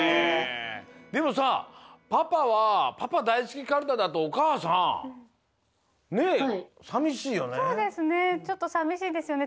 でもさパパはパパだいすきカルタだとおかあさんねえさみしいよね。